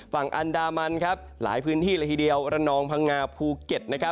ฝั่งอันดามันหลายพื้นที่เลยทีเดียวระนองพังงาภูเก็ต